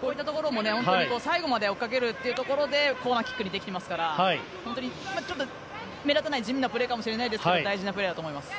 こういったところも最後まで追いかけるというところでコーナーキックにできますから目立たない地味なプレーかもしれませんが大事なプレーだと思います。